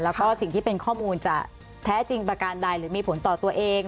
แล้วก็สิ่งที่เป็นข้อมูลจะแท้จริงประการใดหรือมีผลต่อตัวเอง